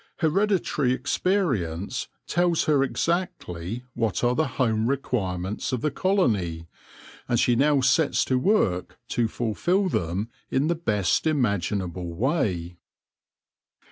Hereditary experience tells her exactly what are the home requirements of the colony, and she now sets to work to fulfil them in the best imaginable way.